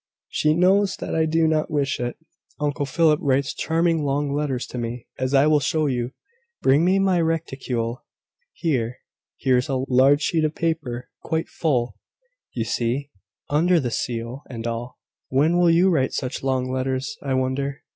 "She knows that I do not wish it. Uncle Philip writes charming long letters to me, as I will show you. Bring me my reticule. Here here is a large sheet of paper, quite full, you see under the seal and all. When will you write such long letters, I wonder?"